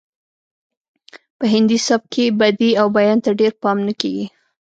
په هندي سبک کې بدیع او بیان ته ډیر پام نه کیږي